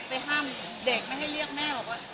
ไปห้ามเด็กไม่ให้เรียกแม่บอกว่า